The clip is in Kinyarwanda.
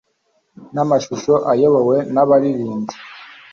n'amashusho ayobowe na baririmbyi